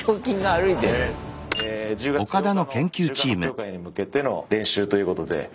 １０月８日の中間発表会に向けての練習ということで。